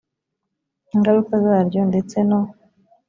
ingaruka zaryo ndetse no